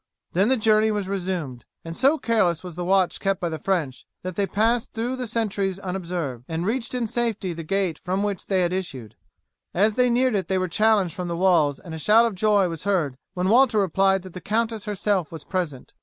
Then the journey was resumed, and so careless was the watch kept by the French that they passed through the sentries unobserved, and reached in safety the gate from which they had issued. As they neared it they were challenged from the walls, and a shout of joy was heard when Walter replied that the countess herself was present.